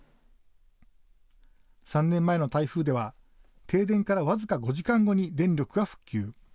３年前の台風では停電から僅か５時間後に電力が復旧。